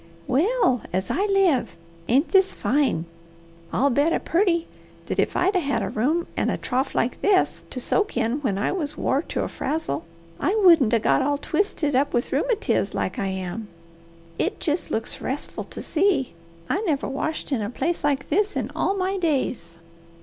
"Well as I live! Ain't this fine. I'll bet a purty that if I'd 'a' had a room and a trough like this to soak in when I was wore to a frazzle, I wouldn't 'a' got all twisted up with rheumatiz like I am. It jest looks restful to see. I never washed in a place like this in all my days.